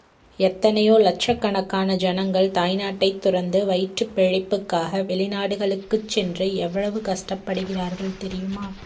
எத்தனையோ லக்ஷக்கணக்கான ஜனங்கள் தாய் நாட்டைத் துறந்து வயிற்றுப் பிழைப்புக்காக வெளி நாடுகளுக்குச் சென்று எவ்வளவு கஷ்டப்படுகிறார்கள் தெரியுமா?